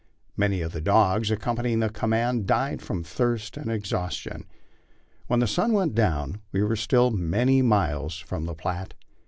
Many of the dogs ac companying the command died from thirst and exhaustion. When the sun went down we were still many miles from the Platte.